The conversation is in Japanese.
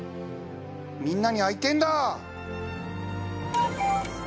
みんなに会いてえんだ！